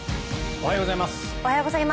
おはようございます。